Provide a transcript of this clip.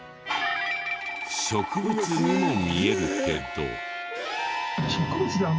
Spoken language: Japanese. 植物にも見えるけど。